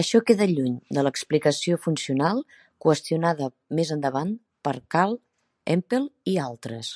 Això queda lluny de l'"explicació funcional" qüestionada més endavant per Carl Hempel i altres.